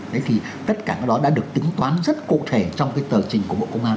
thế thì tất cả cái đó đã được tính toán rất cụ thể trong cái tờ trình của bộ công an